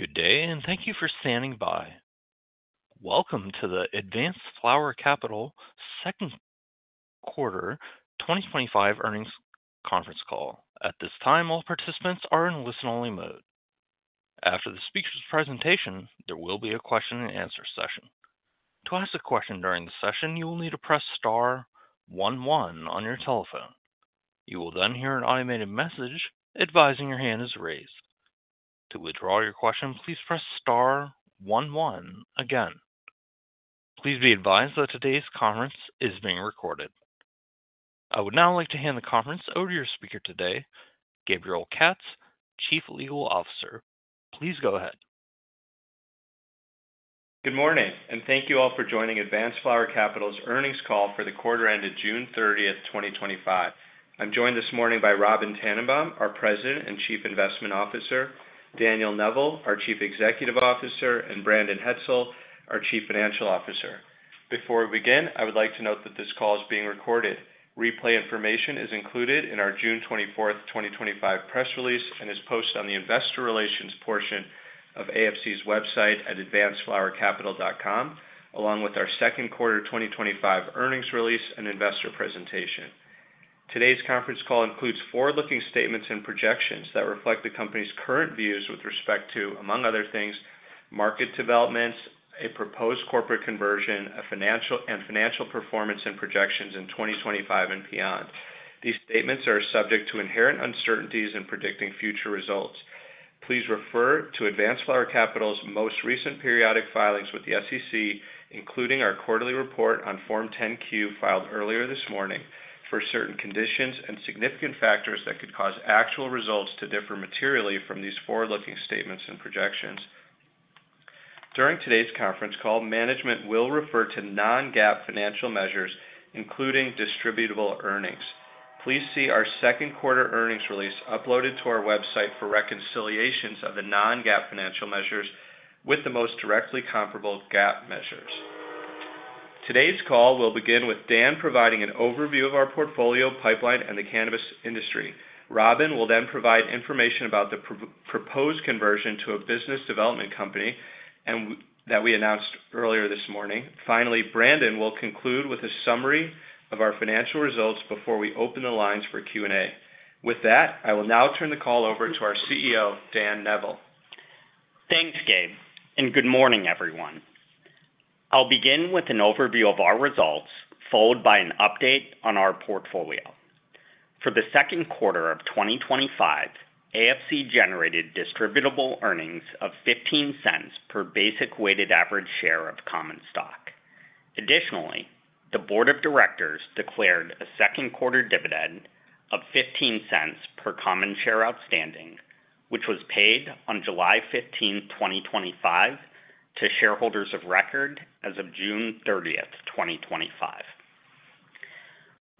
Good day, and thank you for standing by. Welcome to the Advanced Flower Capital Second Quarter 2025 Earnings Conference Call. At this time, all participants are in listen-only mode. After the speaker's presentation, there will be a question and answer session. To ask a question during the session, you will need to press star one one on your telephone. You will then hear an automated message advising your hand is raised. To withdraw your question, please press star one one again. Please be advised that today's conference is being recorded. I would now like to hand the conference over to your speaker today, Gabriel Katz, Chief Legal Officer. Please go ahead. Good morning, and thank you all for joining Advanced Flower Capital's earnings call for the quarter ended June 30th, 2025. I'm joined this morning by Robyn Tannenbaum, our President and Chief Investment Officer, Daniel Neville, our Chief Executive Officer, and Brandon Hetzel, our Chief Financial Officer. Before we begin, I would like to note that this call is being recorded. Replay information is included in our June 24th, 2025 press release and is posted on the investor relations portion of AFC's website at advancedflowercapital.com, along with our second quarter 2025 earnings release and investor presentation. Today's conference call includes forward-looking statements and projections that reflect the company's current views with respect to, among other things, market developments, a proposed corporate conversion, and financial performance and projections in 2025 and beyond. These statements are subject to inherent uncertainties in predicting future results. Please refer to Advanced Flower Capital's most recent periodic filings with the SEC, including our quarterly report on Form 10-Q filed earlier this morning, for certain conditions and significant factors that could cause actual results to differ materially from these forward-looking statements and projections. During today's conference call, management will refer to non-GAAP financial measures, including distributable earnings. Please see our second quarter earnings release uploaded to our website for reconciliations of the non-GAAP financial measures with the most directly comparable GAAP measures. Today's call will begin with Dan providing an overview of our portfolio pipeline and the cannabis industry. Robyn will then provide information about the proposed conversion to a business development company that we announced earlier this morning. Finally, Brandon will conclude with a summary of our financial results before we open the lines for Q&A. With that, I will now turn the call over to our CEO, Dan Neville. Thanks, Gabe, and good morning, everyone. I'll begin with an overview of our results followed by an update on our portfolio. For the second quarter of 2025, AFC generated distributable earnings of $0.15 per basic weighted average share of common stock. Additionally, the Board of Directors declared a second quarter dividend of $0.15 per common share outstanding, which was paid on July 15th, 2025, to shareholders of record as of June 30th, 2025.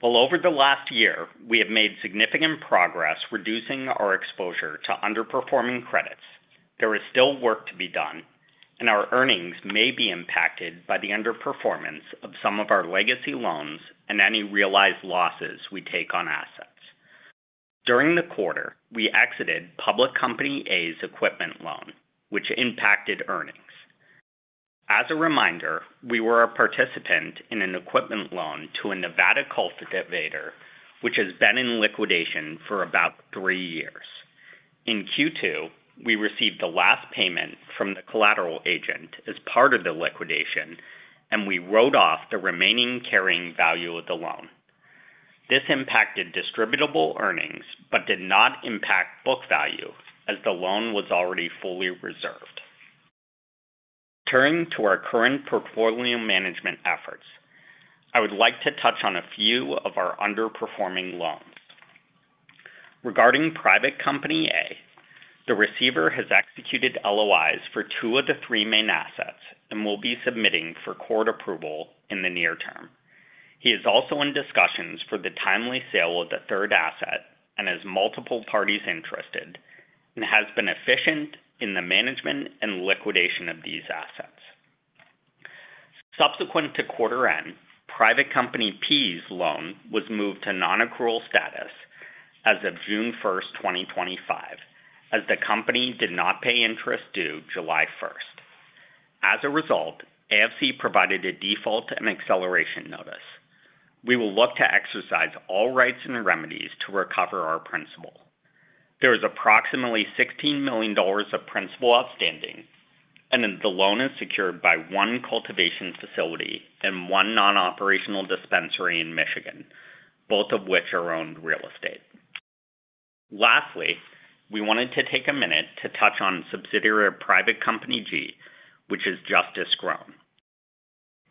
Over the last year, we have made significant progress reducing our exposure to underperforming credits. There is still work to be done, and our earnings may be impacted by the underperformance of some of our legacy loans and any realized losses we take on assets. During the quarter, we exited Public Company A's equipment loan, which impacted earnings. As a reminder, we were a participant in an equipment loan to a Nevada cultivator, which has been in liquidation for about three years. In Q2, we received the last payment from the collateral agent as part of the liquidation, and we wrote off the remaining carrying value of the loan. This impacted distributable earnings, but did not impact book value as the loan was already fully reserved. Turning to our current portfolio management efforts, I would like to touch on a few of our underperforming loans. Regarding Private Company A, the receiver has executed LOIs for two of the three main assets and will be submitting for court approval in the near term. He is also in discussions for the timely sale of the third asset and has multiple parties interested and has been efficient in the management and liquidation of these assets. Subsequent to quarter end, Private Company P's loan was moved to non-accrual status as of June 1st, 2025, as the company did not pay interest due July 1st. As a result, Advanced Flower Capital provided a default and acceleration notice. We will look to exercise all rights and remedies to recover our principal. There is approximately $16 million of principal outstanding, and the loan is secured by one cultivation facility and one non-operational dispensary in Michigan, both of which are owned real estate. Lastly, we wanted to take a minute to touch on subsidiary of Private Company G, which is Justice Grown.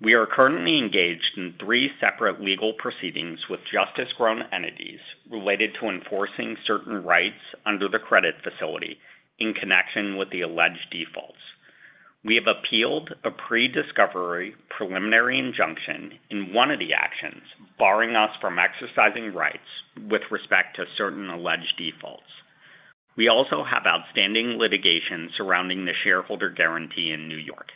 We are currently engaged in three separate legal proceedings with Justice Grown entities related to enforcing certain rights under the credit facility in connection with the alleged defaults. We have appealed a pre-discovery preliminary injunction in one of the actions, barring us from exercising rights with respect to certain alleged defaults. We also have outstanding litigation surrounding the shareholder guarantee in New York.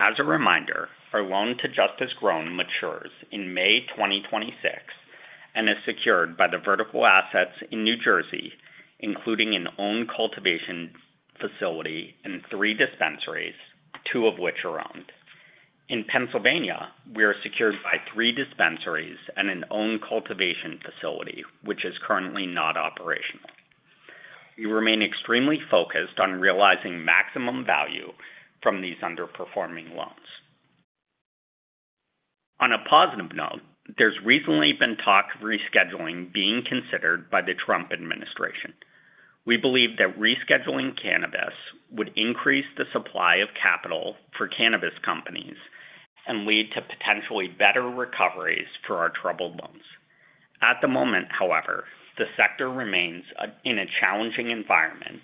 As a reminder, our loan to Justice Grown matures in May 2026 and is secured by the vertical assets in New Jersey, including an owned cultivation facility and three dispensaries, two of which are owned. In Pennsylvania, we are secured by three dispensaries and an owned cultivation facility, which is currently not operational. We remain extremely focused on realizing maximum value from these underperforming loans. On a positive note, there's recently been talk of rescheduling being considered by the Trump administration. We believe that rescheduling cannabis would increase the supply of capital for cannabis companies and lead to potentially better recoveries for our troubled loans. At the moment, however, the sector remains in a challenging environment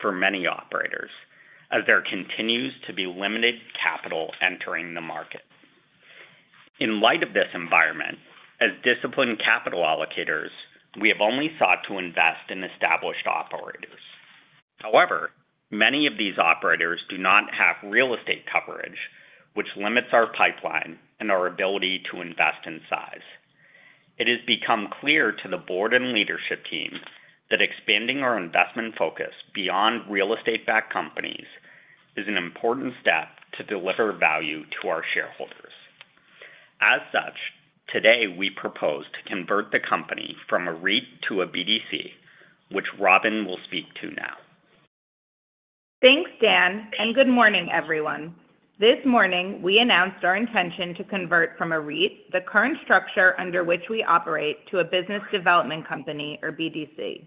for many operators as there continues to be limited capital entering the market. In light of this environment, as disciplined capital allocators, we have only sought to invest in established operators. However, many of these operators do not have real estate coverage, which limits our pipeline and our ability to invest in size. It has become clear to the Board and leadership team that expanding our investment focus beyond real estate-backed companies is an important step to deliver value to our shareholders. As such, today we propose to convert the company from a REIT to a BDC, which Robyn will speak to now. Thanks, Dan, and good morning, everyone. This morning, we announced our intention to convert from a REIT, the current structure under which we operate, to a business development company, or BDC.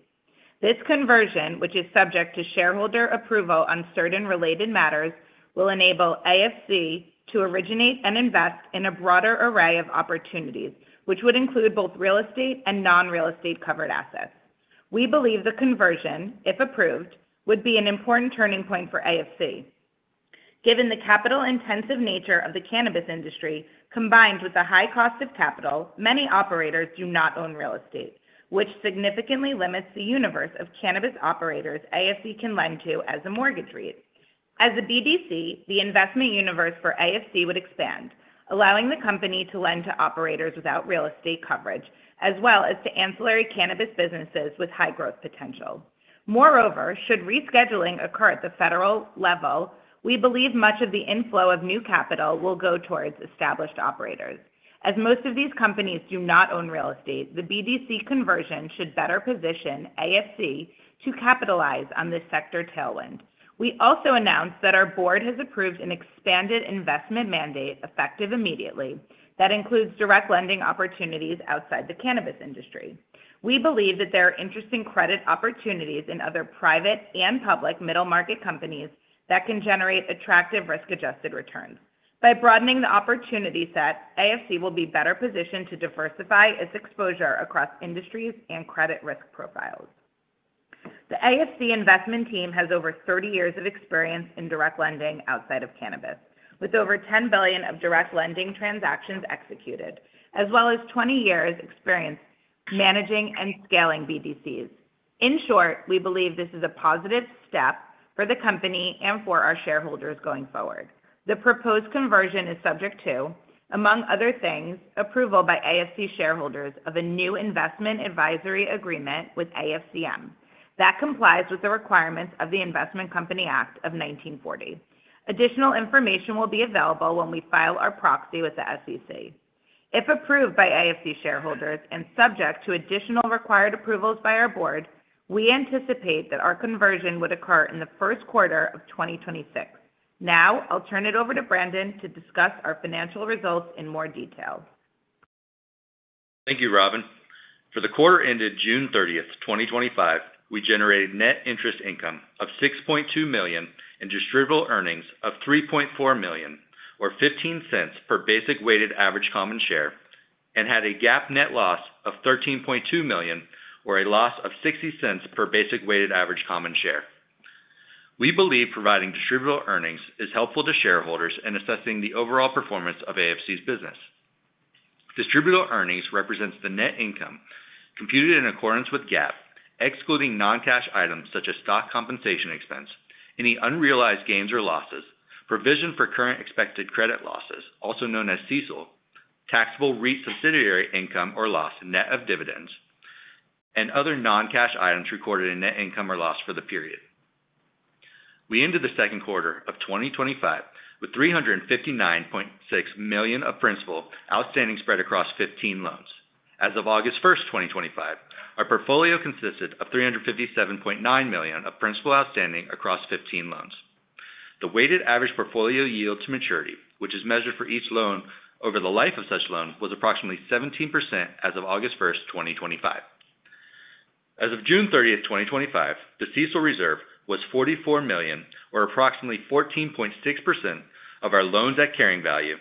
This conversion, which is subject to shareholder approval on certain related matters, will enable AFC to originate and invest in a broader array of opportunities, which would include both real estate and non-real estate covered assets. We believe the conversion, if approved, would be an important turning point for AFC. Given the capital-intensive nature of the cannabis industry, combined with the high cost of capital, many operators do not own real estate, which significantly limits the universe of cannabis operators AFC can lend to as a mortgage REIT. As a BDC, the investment universe for AFC would expand, allowing the company to lend to operators without real estate coverage, as well as to ancillary cannabis businesses with high growth potential. Moreover, should rescheduling occur at the federal level, we believe much of the inflow of new capital will go towards established operators. As most of these companies do not own real estate, the BDC conversion should better position AFC to capitalize on this sector tailwind. We also announced that our board has approved an expanded investment mandate effective immediately that includes direct lending opportunities outside the cannabis industry. We believe that there are interesting credit opportunities in other private and public middle-market companies that can generate attractive risk-adjusted returns. By broadening the opportunity set, AFC will be better positioned to diversify its exposure across industries and credit risk profiles. The AFC investment team has over 30 years of experience in direct lending outside of cannabis, with over $10 billion of direct lending transactions executed, as well as 20 years of experience managing and scaling BDCs. In short, we believe this is a positive step for the company and for our shareholders going forward. The proposed conversion is subject to, among other things, approval by AFC shareholders of a new investment advisory agreement with AFCM. That complies with the requirements of the Investment Company Act of 1940. Additional information will be available when we file our proxy with the SEC. If approved by AFC shareholders and subject to additional required approvals by our board, we anticipate that our conversion would occur in the first quarter of 2026. Now, I'll turn it over to Brandon to discuss our financial results in more detail. Thank you, Robyn. For the quarter ended June 30th, 2025, we generated net interest income of $6.2 million and distributable earnings of $3.4 million, or $0.15 per basic weighted average common share, and had a GAAP net loss of $13.2 million, or a loss of $0.60 per basic weighted average common share. We believe providing distributable earnings is helpful to shareholders in assessing the overall performance of AFC's business. Distributable earnings represent the net income computed in accordance with GAAP, excluding non-cash items such as stock compensation expense, any unrealized gains or losses, provision for current expected credit losses, also known as CECL, taxable REIT subsidiary income or loss net of dividends, and other non-cash items recorded in net income or loss for the period. We ended the second quarter of 2025 with $359.6 million of principal outstanding spread across 15 loans. As of August 1st, 2025, our portfolio consisted of $357.9 million of principal outstanding across 15 loans. The weighted average portfolio yield to maturity, which is measured for each loan over the life of such loans, was approximately 17% as of August 1st, 2025. As of June 30th, 2025, the CECL reserve was $44 million, or approximately 14.6% of our loans at carrying value,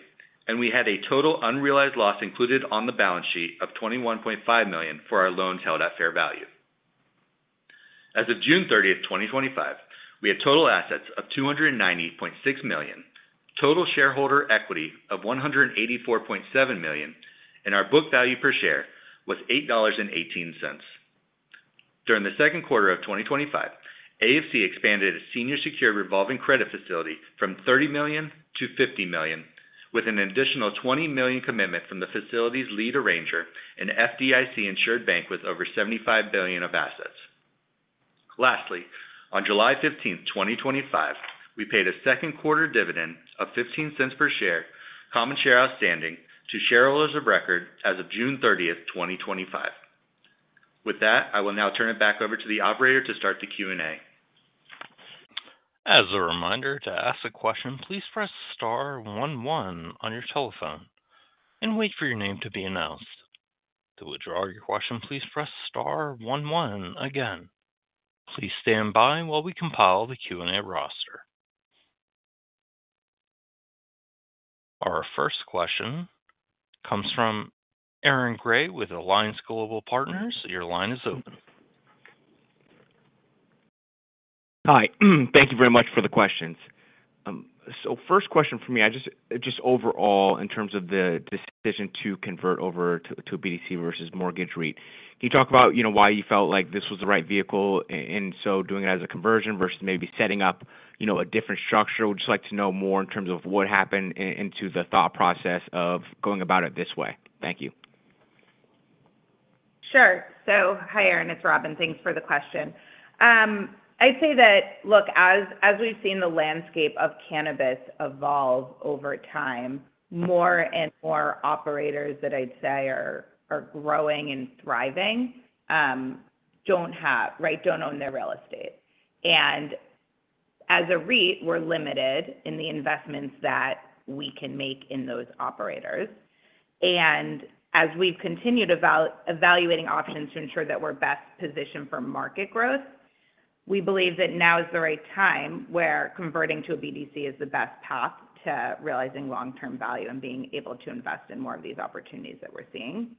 and we had a total unrealized loss included on the balance sheet of $21.5 million for our loans held at fair value. As of June 30th, 2025, we had total assets of $298.6 million, total shareholder equity of $184.7 million, and our book value per share was $8.18. During the second quarter of 2025, AFC expanded a senior secured revolving credit facility from $30 million-$50 million, with an additional $20 million commitment from the facility's lead arranger and FDIC-insured bank with over $75 billion of assets. Lastly, on July 15, 2025, we paid a second quarter dividend of $0.15 per common share outstanding to shareholders of record as of June 30th, 2025. With that, I will now turn it back over to the operator to start the Q&A. As a reminder, to ask a question, please press star one one on your telephone and wait for your name to be announced. To withdraw your question, please press star one one again. Please stand by while we compile the Q&A roster. Our first question comes from Aaron Grey with Alliance Global Partners. Your line is open. Hi, thank you very much for the questions. First question for me, just overall in terms of the decision to convert over to a BDC versus mortgage REIT, can you talk about why you felt like this was the right vehicle and doing it as a conversion versus maybe setting up a different structure? We'd just like to know more in terms of what happened into the thought process of going about it this way. Thank you. Hi, Aaron. It's Robyn. Thanks for the question. I'd say that, as we've seen the landscape of cannabis evolve over time, more and more operators that I'd say are growing and thriving don't own their real estate. As a REIT, we're limited in the investments that we can make in those operators. As we've continued evaluating options to ensure that we're best positioned for market growth, we believe that now is the right time where converting to a BDC is the best path to realizing long-term value and being able to invest in more of these opportunities that we're seeing.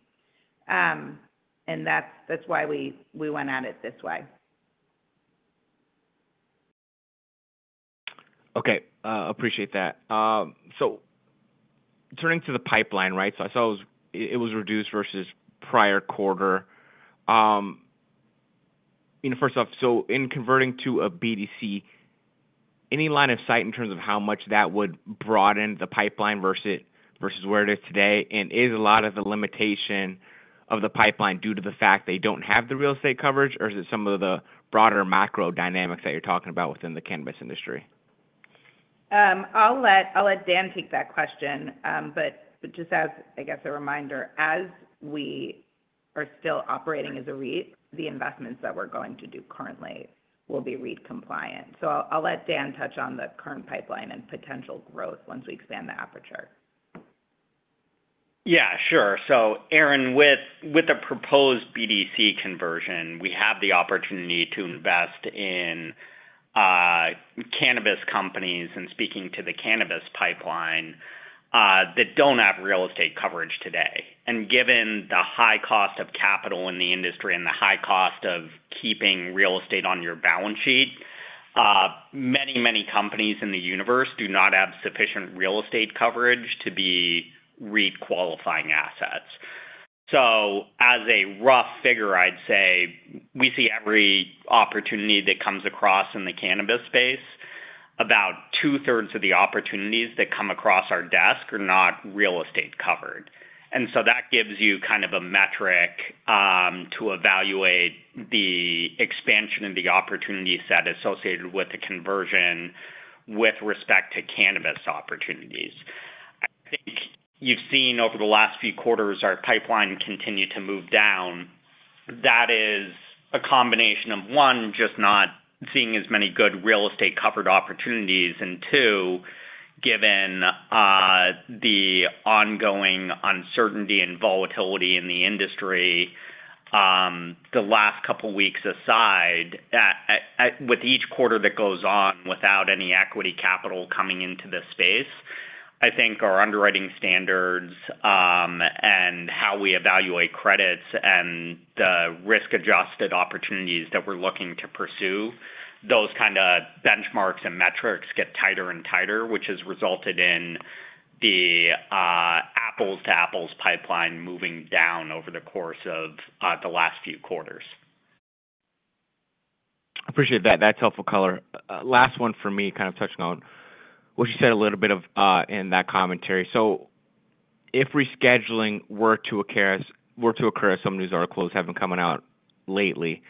That's why we went at it this way. Okay. Appreciate that. Turning to the pipeline, right? I saw it was reduced versus prior quarter. In converting to a BDC, any line of sight in terms of how much that would broaden the pipeline versus where it is today? Is a lot of the limitation of the pipeline due to the fact they don't have the real estate coverage, or is it some of the broader macro dynamics that you're talking about within the cannabis industry? I'll let Dan take that question. Just as a reminder, as we are still operating as a REIT, the investments that we're going to do currently will be REIT compliant. I'll let Dan touch on the current pipeline and potential growth once we expand the aperture. Yeah, sure. Aaron, with a proposed BDC conversion, we have the opportunity to invest in cannabis companies and, speaking to the cannabis pipeline, that don't have real estate coverage today. Given the high cost of capital in the industry and the high cost of keeping real estate on your balance sheet, many, many companies in the universe do not have sufficient real estate coverage to be REIT qualifying assets. As a rough figure, I'd say we see every opportunity that comes across in the cannabis space. About two-thirds of the opportunities that come across our desk are not real estate covered. That gives you kind of a metric to evaluate the expansion and the opportunity set associated with the conversion with respect to cannabis opportunities. I think you've seen over the last few quarters our pipeline continue to move down. That is a combination of, one, just not seeing as many good real estate covered opportunities, and two, given the ongoing uncertainty and volatility in the industry, the last couple of weeks aside, with each quarter that goes on without any equity capital coming into this space, I think our underwriting standards and how we evaluate credits and the risk-adjusted opportunities that we're looking to pursue, those kind of benchmarks and metrics get tighter and tighter, which has resulted in the apples-to-apples pipeline moving down over the course of the last few quarters. I appreciate that. That's helpful color. Last one for me, kind of touching on what you said a little bit in that commentary. If rescheduling were to occur as some of these articles have been coming out lately,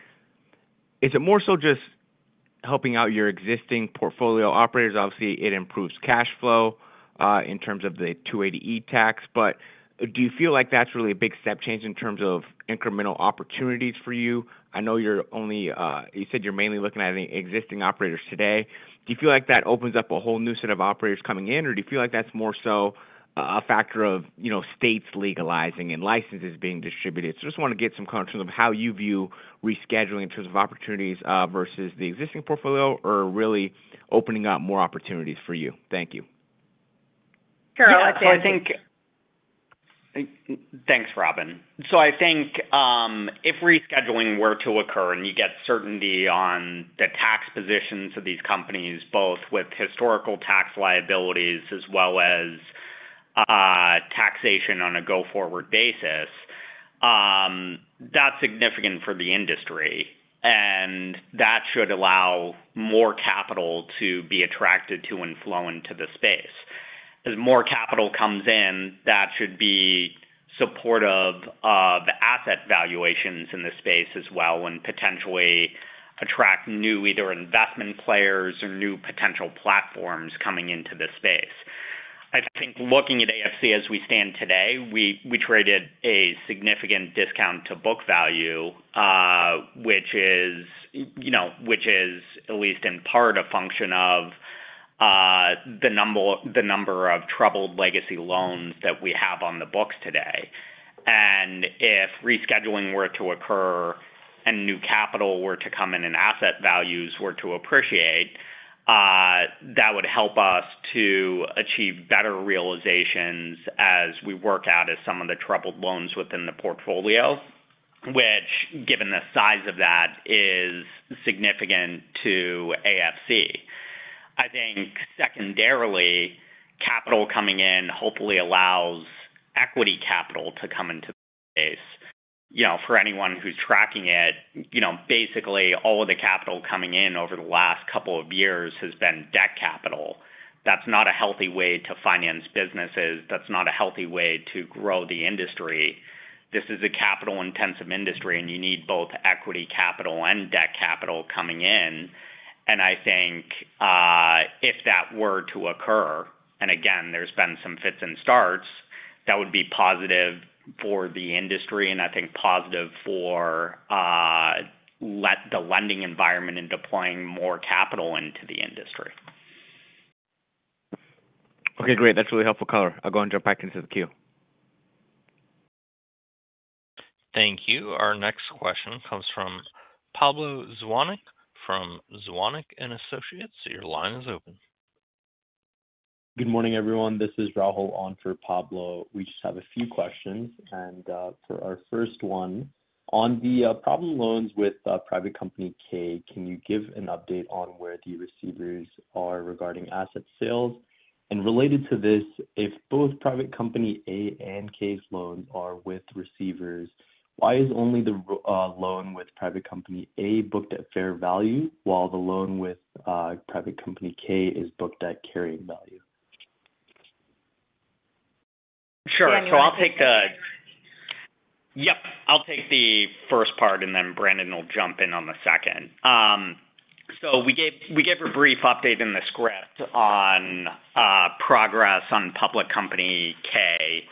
is it more so just helping out your existing portfolio operators? Obviously, it improves cash flow in terms of the 280(e) tax, but do you feel like that's really a big step change in terms of incremental opportunities for you? I know you said you're mainly looking at any existing operators today. Do you feel like that opens up a whole new set of operators coming in, or do you feel like that's more so a factor of states legalizing and licenses being distributed? I just want to get some context of how you view rescheduling in terms of opportunities versus the existing portfolio or really opening up more opportunities for you. Thank you. Sure. I think, thanks, Robyn. If rescheduling were to occur and you get certainty on the tax positions of these companies, both with historical tax liabilities as well as taxation on a go-forward basis, that's significant for the industry. That should allow more capital to be attracted to and flow into the space. As more capital comes in, that should be supportive of asset valuations in this space as well and potentially attract new either investment players or new potential platforms coming into this space. I think looking at AFC as we stand today, we trade at a significant discount to book value, which is at least in part a function of the number of troubled legacy loans that we have on the books today. If rescheduling were to occur and new capital were to come in and asset values were to appreciate, that would help us to achieve better realizations as we work out some of the troubled loans within the portfolio, which, given the size of that, is significant to AFC. Secondarily, capital coming in hopefully allows equity capital to come into the space. For anyone who's tracking it, basically all of the capital coming in over the last couple of years has been debt capital. That's not a healthy way to finance businesses. That's not a healthy way to grow the industry. This is a capital-intensive industry, and you need both equity capital and debt capital coming in. If that were to occur, and again, there's been some fits and starts, that would be positive for the industry and I think positive for the lending environment and deploying more capital into the industry. Okay, great. That's really helpful color. I'll go and jump back into the queue. Thank you. Our next question comes from Pablo Zuanic from Zuanic & Associates. Your line is open. Good morning, everyone. This is Rahul on for Pablo. We just have a few questions. For our first one, on the problem loans with Private Company K, can you give an update on where the receivers are regarding asset sales? Related to this, if both Private Company A & K loan are with receivers, why is only the loan with Private Company A booked at fair value while the loan with Private Company K is booked at carrying value? Sure. I'll take the first part and then Brandon will jump in on the second. We gave a brief update in the script on progress on Public Company K.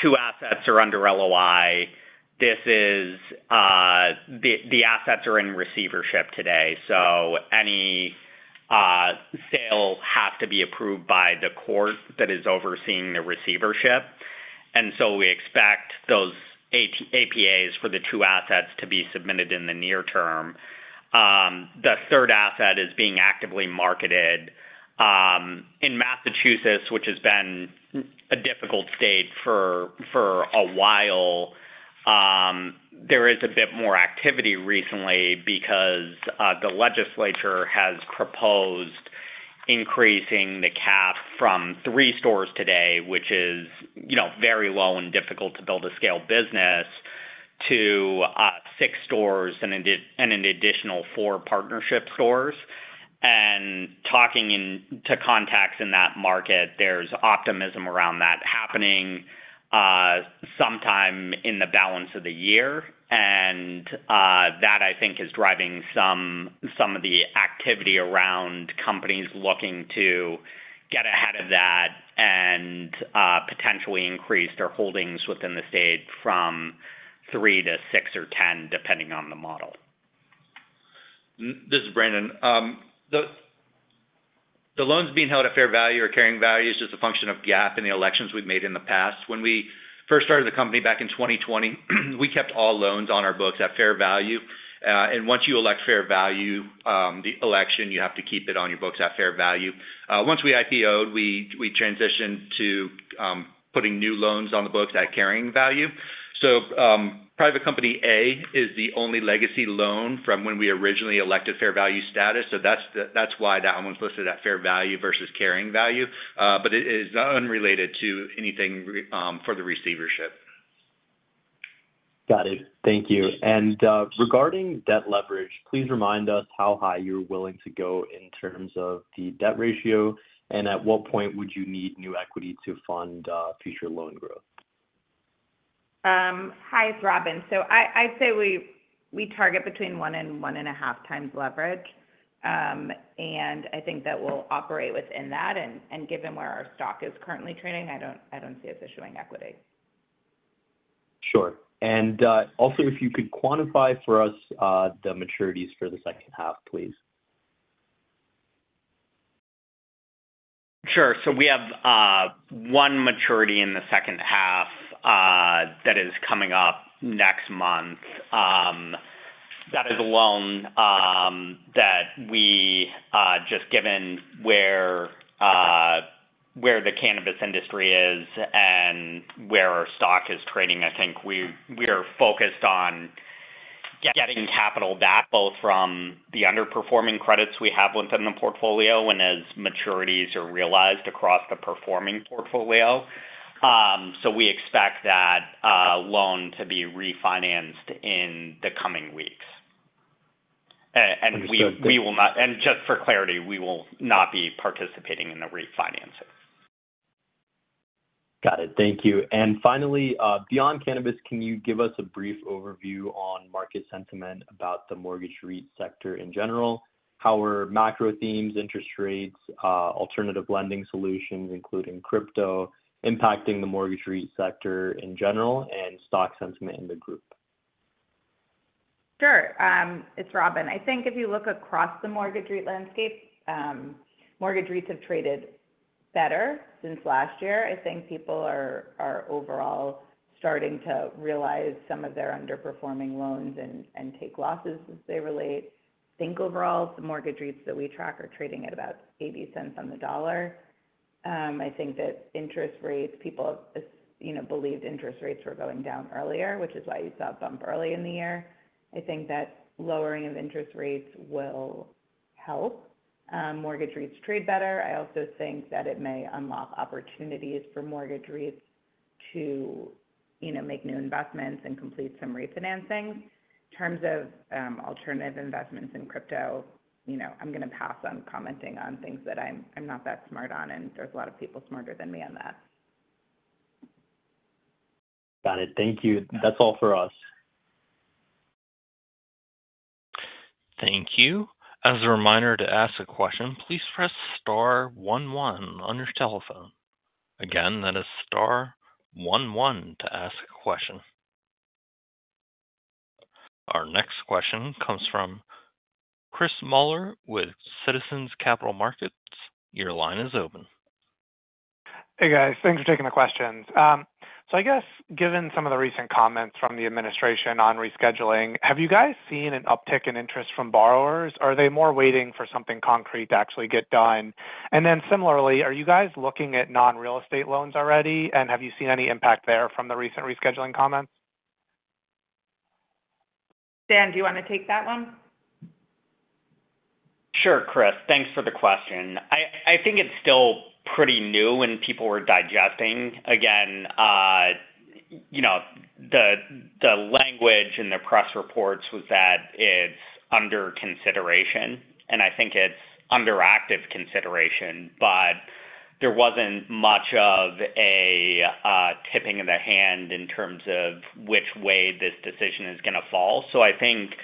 Two assets are under LOI. These assets are in receivership today, so any sale has to be approved by the court that is overseeing the receivership. We expect those APAs for the two assets to be submitted in the near term. The third asset is being actively marketed. In Massachusetts, which has been a difficult state for a while, there is a bit more activity recently because the legislature has proposed increasing the cap from three stores today, which is very low and difficult to build a scaled business, to six stores and an additional four partnership stores. Talking to contacts in that market, there's optimism around that happening sometime in the balance of the year. I think that is driving some of the activity around companies looking to get ahead of that and potentially increase their holdings within the state from three to six or ten, depending on the model. This is Brandon. The loans being held at fair value or carrying value is just a function of GAAP and the elections we've made in the past. When we first started the company back in 2020, we kept all loans on our books at fair value. Once you elect fair value, you have to keep it on your books at fair value. Once we IPOed, we transitioned to putting new loans on the books at carrying value. Private Company A is the only legacy loan from when we originally elected fair value status. That's why that one's listed at fair value versus carrying value. It is unrelated to anything for the receivership. Got it. Thank you. Regarding debt leverage, please remind us how high you're willing to go in terms of the debt ratio and at what point would you need new equity to fund future loan growth? It's Robyn. I'd say we target between 1x and 1.5x leverage. I think that we'll operate within that, and given where our stock is currently trading, I don't see us issuing equity. Sure, if you could quantify for us the maturities for the second half, please. Sure. We have one maturity in the second half that is coming up next month. That is a loan that we, just given where the cannabis industry is and where our stock is trading, I think we are focused on getting capital back both from the underperforming credits we have within the portfolio and as maturities are realized across the performing portfolio. We expect that loan to be refinanced in the coming weeks, and just for clarity, we will not be participating in the refinancing. Got it. Thank you. Finally, beyond cannabis, can you give us a brief overview on market sentiment about the mortgage REIT sector in general? How are macro themes, interest rates, alternative lending solutions, including crypto, impacting the mortgage REIT sector in general and stock sentiment in the group? Sure. It's Robyn. I think if you look across the mortgage REIT landscape, mortgage REITs have traded better since last year. I think people are overall starting to realize some of their underperforming loans and take losses as they relate. I think overall, the mortgage REITs that we track are trading at about $0.80 on the dollar. I think that interest rates, people have believed interest rates were going down earlier, which is why you saw a bump early in the year. I think that lowering of interest rates will help mortgage REITs trade better. I also think that it may unlock opportunities for mortgage REITs to make new investments and complete some refinancing. In terms of alternative investments in crypto, you know, I'm going to pass on commenting on things that I'm not that smart on, and there's a lot of people smarter than me on that. Got it. Thank you. That's all for us. Thank you. As a reminder, to ask a question, please press star one one on your telephone. Again, that is star one one to ask a question. Our next question comes from Chris Muller with Citizens Capital Markets. Your line is open. Hey, guys. Thanks for taking the questions. I guess given some of the recent comments from the administration on rescheduling, have you guys seen an uptick in interest from borrowers? Are they more waiting for something concrete to actually get done? Similarly, are you guys looking at non-real estate loans already, and have you seen any impact there from the recent rescheduling comments? Dan, do you want to take that one? Sure, Chris. Thanks for the question. I think it's still pretty new and people were digesting. The language in the press reports was that it's under consideration, and I think it's under active consideration, but there wasn't much of a tipping of the hand in terms of which way this decision is going to fall. I think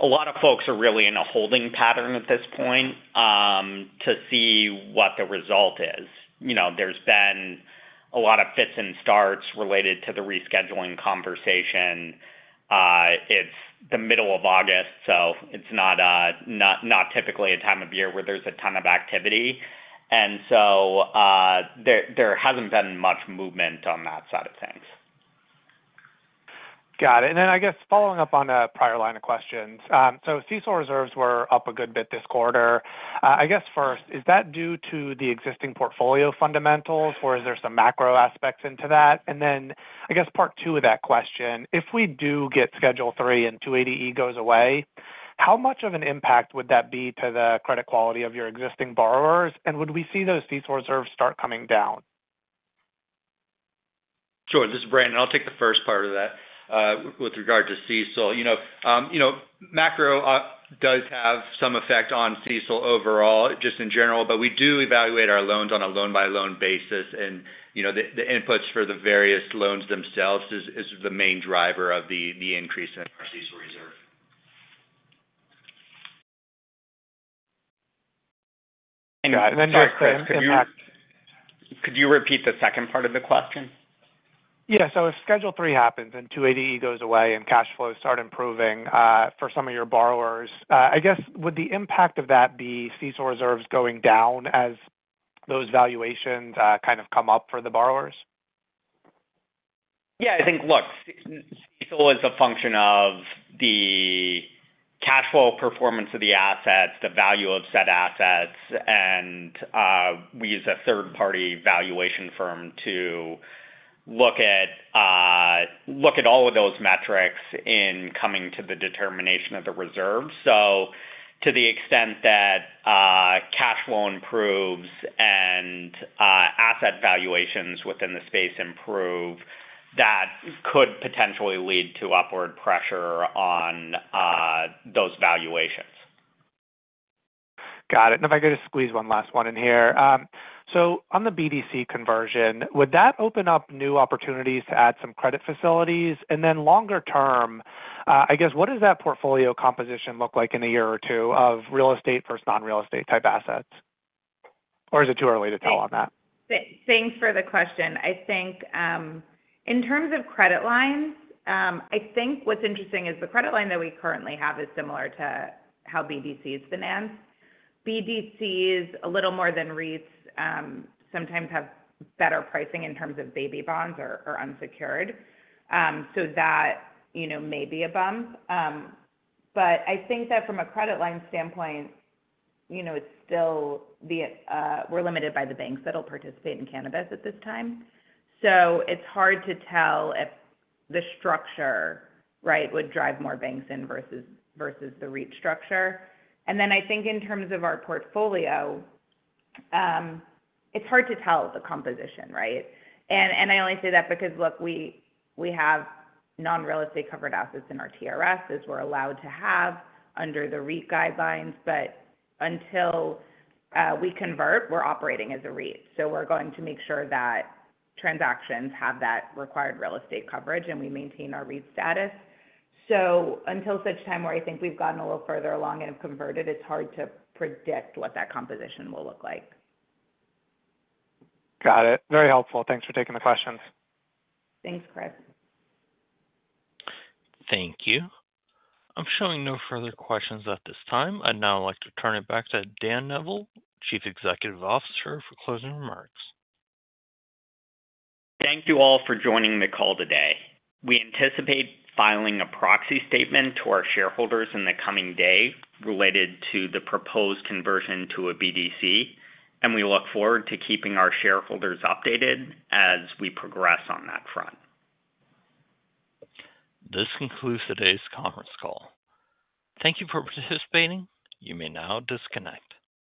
a lot of folks are really in a holding pattern at this point to see what the result is. There's been a lot of fits and starts related to the rescheduling conversation. It's the middle of August, so it's not typically a time of year where there's a ton of activity. There hasn't been much movement on that side of things. Got it. I guess following up on a prior line of questions, if CECL reserves were up a good bit this quarter, first, is that due to the existing portfolio fundamentals, or is there some macro aspects into that? Part two of that question, if we do get Schedule III and 280(e) goes away, how much of an impact would that be to the credit quality of your existing borrowers, and would we see those CECL reserves start coming down? Sure. This is Brandon. I'll take the first part of that with regard to CECL. Macro does have some effect on CECL overall, just in general, but we do evaluate our loans on a loan-by-loan basis, and the inputs for the various loans themselves are the main driver of the increase in our CECL res Could you repeat the second part of the question? Yeah. If Schedule III happens and 280(e) goes away and cash flows start improving for some of your borrowers, I guess would the impact of that be CECL reserves going down as those valuations kind of come up for the borrowers? Yeah, I think, look, CECL is a function of the cash flow performance of the assets, the value of said assets, and we use a third-party valuation firm to look at all of those metrics in coming to the determination of the reserves. To the extent that cash flow improves and asset valuations within the space improve, that could potentially lead to upward pressure on those valuations. Got it. If I could just squeeze one last one in here. On the BDC conversion, would that open up new opportunities to add some credit facilities? Longer term, I guess what does that portfolio composition look like in a year or two of real estate versus non-real estate type assets? Is it too early to tell on that? Thanks for the question. I think in terms of credit lines, what's interesting is the credit line that we currently have is similar to how BDCs finance. BDCs, a little more than mortgage REITs, sometimes have better pricing in terms of baby bonds or unsecured. That may be a bump. I think that from a credit line standpoint, we're limited by the banks that will participate in cannabis at this time. It's hard to tell if the structure would drive more banks in versus the REIT structure. In terms of our portfolio, it's hard to tell the composition. I only say that because we have non-real estate covered assets in our TRS as we're allowed to have under the REIT guidelines. Until we convert, we're operating as a REIT. We're going to make sure that transactions have that required real estate coverage and we maintain our REIT status. Until such time where we've gotten a little further along and have converted, it's hard to predict what that composition will look like. Got it. Very helpful. Thanks for taking the questions. Thanks, Chris. Thank you. I'm showing no further questions at this time. I'd now like to turn it back to Daniel Neville, Chief Executive Officer, for closing remarks. Thank you all for joining the call today. We anticipate filing a proxy statement to our shareholders in the coming days related to the proposed conversion to a BDC, and we look forward to keeping our shareholders updated as we progress on that front. This concludes today's conference call. Thank you for participating. You may now disconnect.